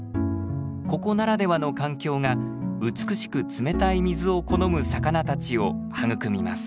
ここならではの環境が美しく冷たい水を好む魚たちを育みます。